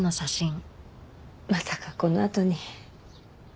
まさかこのあとに。